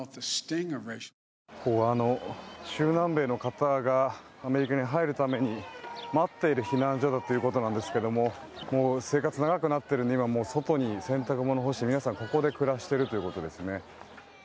中南米の方がアメリカに入るために待っている避難所だということですが生活が長くなっているので今、外に洗濯物を干して皆さんここで暮らしているということですね。